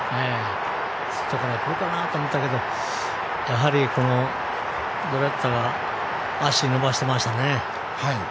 外からくるかなと思ったけどやはり、ドゥレッツァが脚伸ばしてましたね。